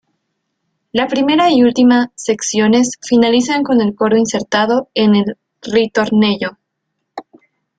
La primera y última secciones finalizan con el coro insertado en el "ritornello".